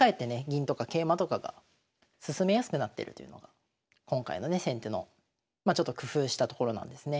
銀とか桂馬とかが進めやすくなってるというのが今回のね先手のまあちょっと工夫したところなんですね。